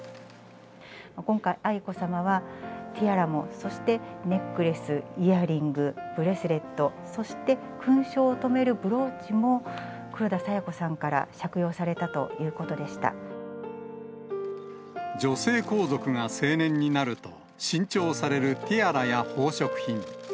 今回、愛子さまはティアラも、そしてネックレス、イヤリング、ブレスレット、そして勲章を留めるブローチも、黒田清子さんから借用されたとい女性皇族が成年になると、新調されるティアラや宝飾品。